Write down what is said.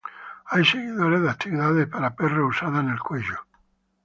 Hay seguidores de actividad para perro usada en el cuello.